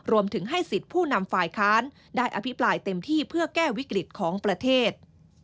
รวมถึงให้สิทธิ์ผู้นำฝ่ายค้านได้อภิปรายเต็มที่เพื่อแก้วิกฤตของประเทศ